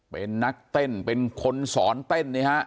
เป็นนักเต้นเป็นคนสอนเต้นนี่ฮะ